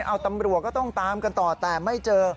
เอาตำรวจก็ต้องตามกันต่อแต่ไม่เจอ